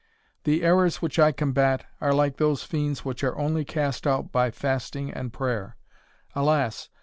The errors which I combat are like those fiends which are only cast out by fasting and prayer. Alas!